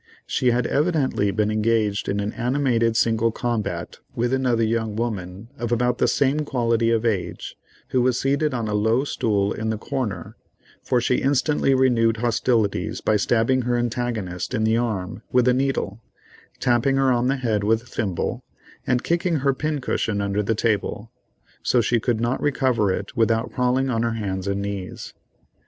She had evidently been engaged in an animated single combat with another young woman, of about the same quality and age, who was seated on a low stool in the corner, for she instantly renewed hostilities by stabbing her antagonist in the arm with a needle, tapping her on the head with a thimble, and kicking her pin cushion under the table, so she could not recover it without crawling on her hands and knees.